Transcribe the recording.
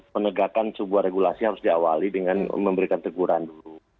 penegakan sebuah regulasi harus diawali dengan memberikan teguran dulu